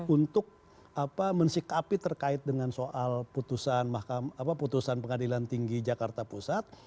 untuk mensikapi terkait dengan soal putusan pengadilan tinggi jakarta pusat